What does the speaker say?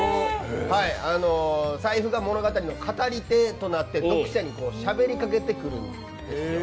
財布が物語の語り手となって読者にしゃべりかけてくるんです。